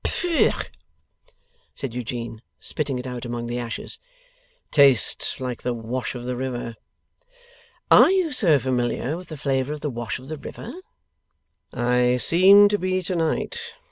'Pooh,' said Eugene, spitting it out among the ashes. 'Tastes like the wash of the river.' 'Are you so familiar with the flavour of the wash of the river?' 'I seem to be to night.